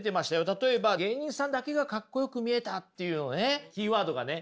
例えば「芸人さんだけがかっこよく見えた」っていうのねキーワードがね